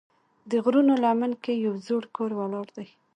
د غرونو لمن کې یو زوړ کور ولاړ دی.